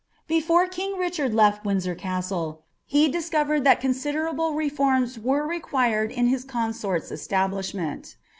Before king Kichatd left Windsor Castle, he discoreml that cmmlti able reforms were required in his coiiaorl's establishment.